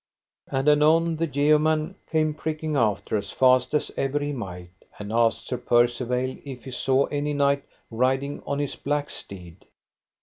And anon the yeoman came pricking after as fast as ever he might, and asked Sir Percivale if he saw any knight riding on his black steed.